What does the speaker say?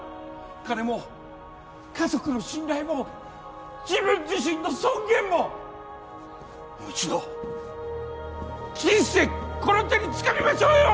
金も家族の信頼も自分自身の尊厳ももう一度人生この手につかみましょうよ！